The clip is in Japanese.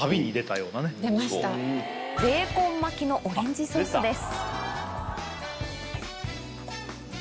ベーコン巻きのオレンジソースです。